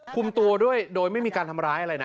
คุมตัวด้วยโดยไม่มีการทำร้ายอะไรนะ